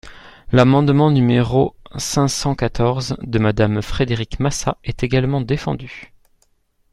L’amendement numéro cinq cent quatorze de Madame Frédérique Massat est également défendu.